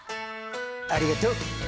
ありがとう。